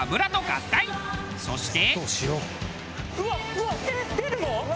そして。